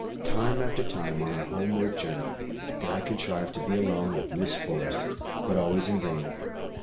Time after time, on our homeward journey, did I contrive to be alone with Miss Forrest, but always in vain.